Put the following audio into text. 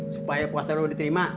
supaya puasa lo diterima